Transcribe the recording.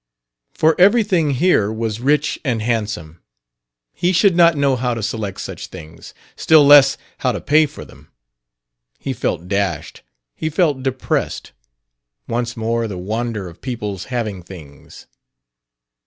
For everything here was rich and handsome; he should not know how to select such things still less how to pay for them. He felt dashed; he felt depressed; once more the wonder of people's "having things."